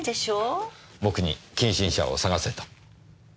僕に近親者を捜せと。